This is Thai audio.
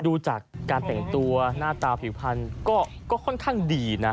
ดูจากการแต่งตัวหน้าตาผิวพันธุ์ก็ค่อนข้างดีนะ